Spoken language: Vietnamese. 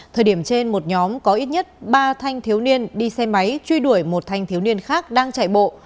thời điểm trên một nhóm có ít nhất ba thanh thiếu niên đi xe máy truy đuổi một thanh thiếu niên khác đang chạy bộ